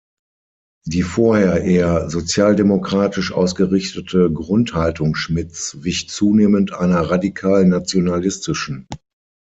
Die vorher eher sozialdemokratisch ausgerichtete Grundhaltung Schmidts wich zunehmend einer radikal-nationalistischen.